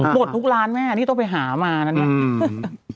หมดทุกร้านแม่นี่ต้องไปหามานะเนี่ย